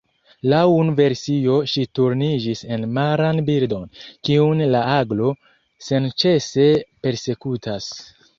Laŭ unu versio ŝi turniĝis en maran birdon, kiun la aglo senĉese persekutas.